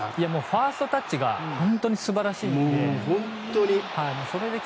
ファーストタッチが本当に素晴らしいので。